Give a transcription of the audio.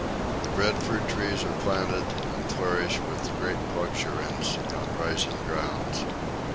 The breadfruit trees are planted, and flourish with great luxuriance, on rising grounds.